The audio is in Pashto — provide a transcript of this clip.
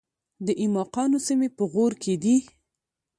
د ایماقانو سیمې په غور کې دي